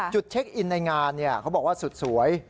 เช็คอินในงานเขาบอกว่าสุดสวย